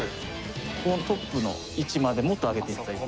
ここのトップの位置までもっと上げて頂いて。